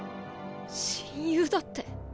親友だって？